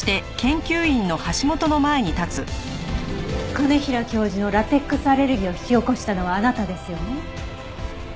兼平教授のラテックスアレルギーを引き起こしたのはあなたですよね？